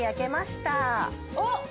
おっ！